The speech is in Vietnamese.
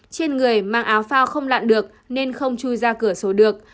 trên người mang áo phao không lặn được nên không chui ra cửa sổ được